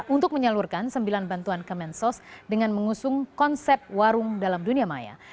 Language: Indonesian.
untuk menyalurkan sembilan bantuan kemensos dengan mengusung konsep warung dalam dunia maya